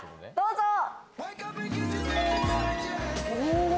どうぞ。